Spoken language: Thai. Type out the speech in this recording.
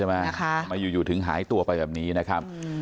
ทำไมอยู่ถึงหายตัวไปแบบนี้นะครับ